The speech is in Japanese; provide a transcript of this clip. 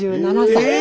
８７歳で。